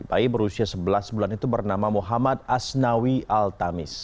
bayi berusia sebelas bulan itu bernama muhammad asnawi al tamis